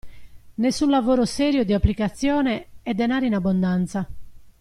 Nessun lavoro serio, di applicazione, e denari in abbondanza.